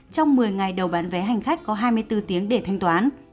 trong một mươi ngày đầu bán vé hành khách có hai mươi bốn tiếng để thanh toán